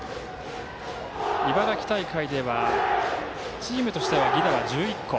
茨城大会ではチームとしては犠打は１１個。